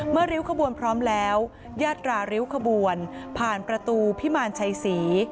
ริ้วขบวนพร้อมแล้วยาตราริ้วขบวนผ่านประตูพิมารชัยศรี